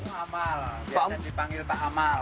muamal biasa dipanggil pak amal